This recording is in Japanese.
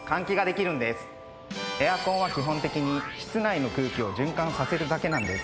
エアコンは基本的に室内の空気を循環させるだけなんです。